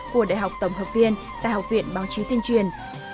của đại học tổng hợp viên tại học viện báo chí tuyên truyền